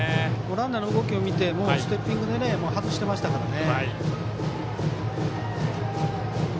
ランナーの動きを見てステッピングで外していましたからね。